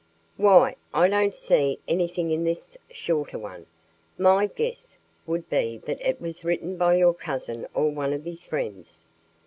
"Why? I don't see anything in this shorter one. My guess would be that it was written by your cousin or one of his friends."